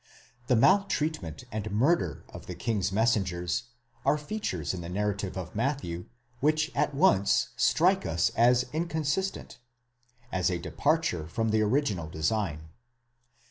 "The maltreatment and murder of the king's messengers are features in the narrative of Matthew which at once strike us as inconsistent—as a departure from the original design.